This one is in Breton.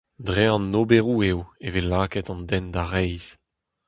Dre an oberoù eo e vez lakaet an den da reizh